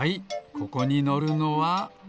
ここにのるのは。